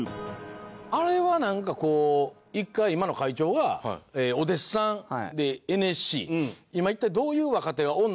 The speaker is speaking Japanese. あれはなんかこう一回今の会長がお弟子さんＮＳＣ。